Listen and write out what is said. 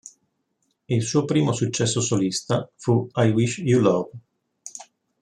Il suo primo successo solista fu "I wish you love".